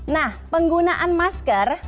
nah penggunaan masker